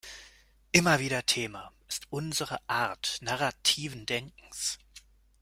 Immer wieder Thema ist unsere Art narrativen Denkens.